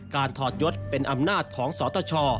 ถอดยศเป็นอำนาจของสตช